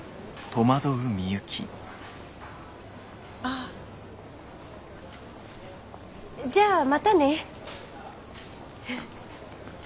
あじゃあまたね。